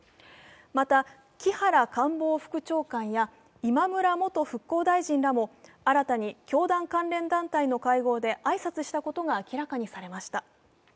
また、木原官房副長官や今村元復興大臣なども新たに教団関連団体の会合で挨拶したことが明らかにされました。